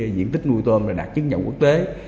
nhiện tích nuôi tôm đã đạt chứng nhận quốc tế